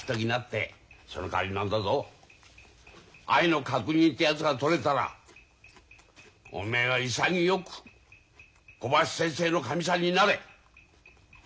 そのかわり何だぞ愛の確認ってやつが取れたらおめえは潔く小林先生のかみさんになれ！